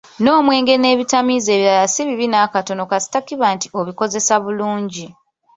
N'omwenge n'ebitamiiza ebirala si bibi n'akatona kasita kiba nti obikozesezza bulungi.